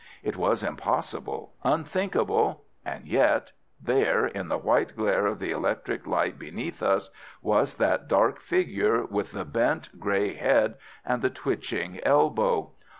It was impossible, unthinkable—and yet there, in the white glare of the electric light beneath us, was that dark figure with the bent, grey head, and the twitching elbow.